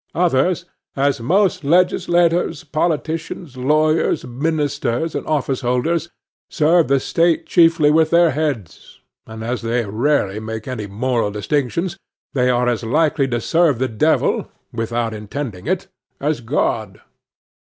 Others, as most legislators, politicians, lawyers, ministers, and office holders, serve the state chiefly with their heads; and, as they rarely make any moral distinctions, they are as likely to serve the devil, without intending it, as God.